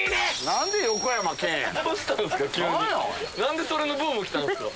何でそれのブーム来たんですか。